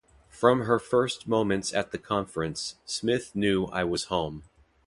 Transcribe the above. From her first moments at the conference, Smith knew I was home.